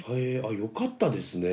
あよかったですね。